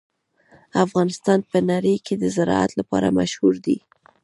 افغانستان په نړۍ کې د زراعت لپاره مشهور دی.